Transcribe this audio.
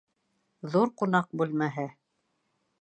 Ҙур ҡунаҡ бүлмәһе.